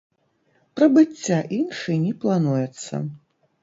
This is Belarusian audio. Прыбыцця іншай не плануецца.